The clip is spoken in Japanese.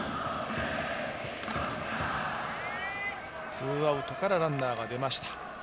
ツーアウトからランナーが出ました。